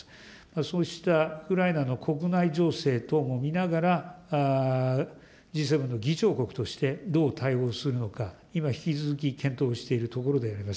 そうしたウクライナの国内情勢等も見ながら、Ｇ７の議長国としてどう対応するのか、今、引き続き検討をしているところであります。